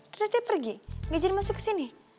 ternyata dia pergi gak jadi masuk kesini